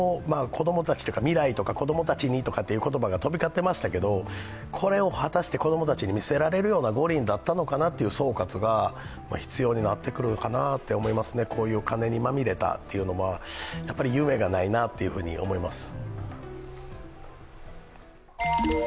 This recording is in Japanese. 未来とか子供たちにという言葉が飛び交ってましたけどこれを果たして子供たちに見せられるような五輪だったのかなという総括が必要になってくるかなと思いますね、こういう金にまみれたっていうのは夢がないなって思います。